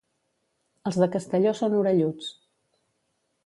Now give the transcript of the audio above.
Els de Castelló són orelluts.